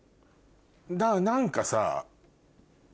だから何かさ。